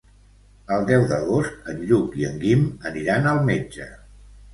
El deu d'agost en Lluc i en Guim aniran al metge.